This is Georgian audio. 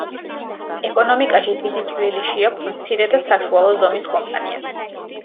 ეკონომიკაში დიდი წვლილი შეაქვთ მცირე და საშუალო ზომის კომპანიებს.